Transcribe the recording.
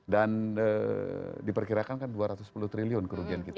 dan diperkirakan kan dua ratus sepuluh triliun kerugian biaya